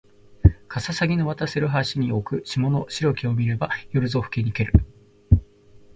かささぎの渡せる橋に置く霜の白きを見れば夜ぞふけにける